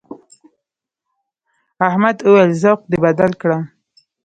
احمد وويل: ذوق دې بدل کړه.